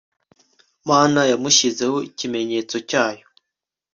Mana yamushyizeho ikimenyetso cyayo